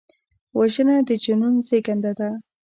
وژنه د جنون زیږنده ده